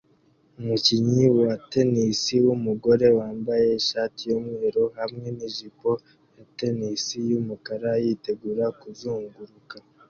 Umukinnyi wa tennis wumugore wambaye ishati yumweru hamwe nijipo ya tennis yumukara yitegura kuzunguruka